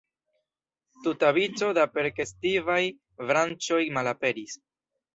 Tuta vico da perspektivaj branĉoj malaperis.